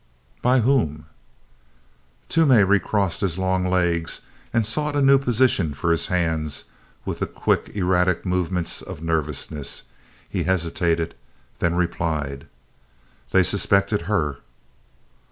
"By whom?" Toomey recrossed his long legs and sought a new position for his hands with the quick erratic movements of nervousness. He hesitated, then replied: "They suspected her."